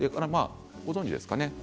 ご存じですか。